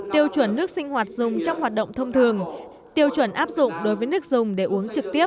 tiêu chuẩn nước sinh hoạt dùng trong hoạt động thông thường tiêu chuẩn áp dụng đối với nước dùng để uống trực tiếp